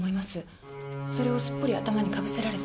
それをすっぽり頭に被せられて。